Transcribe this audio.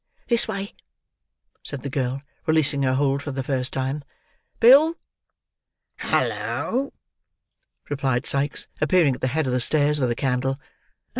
"This way," said the girl, releasing her hold for the first time. "Bill!" "Hallo!" replied Sikes: appearing at the head of the stairs, with a candle.